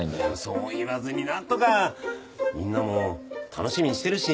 そう言わずに何とか。みんなも楽しみにしてるし。